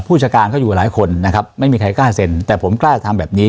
ผู้จัดการเขาอยู่หลายคนนะครับไม่มีใครกล้าเซ็นแต่ผมกล้าทำแบบนี้